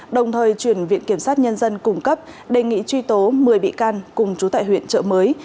đồng thời chuyển viện kiểm sát nhân dân cung cấp đề nghị truy tố một mươi bị can cùng trú tại huyện trợ mới